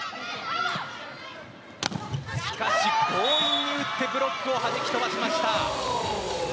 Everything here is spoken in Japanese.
強引に打ってブロックをはじき飛ばしました。